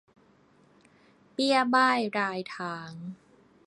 เบี้ยบ้ายรายทาง